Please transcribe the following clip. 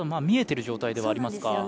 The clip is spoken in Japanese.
見えてる状態ではありますか。